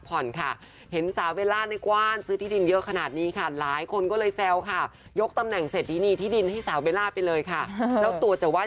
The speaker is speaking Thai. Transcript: เป็นบ้านเกิดของคุณแม่นะคะ